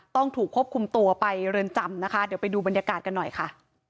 ต้องถูกควบคุมตัวไปเรือนจำนะคะเดี๋ยวไปดูบรรยากาศกันหน่อยค่ะ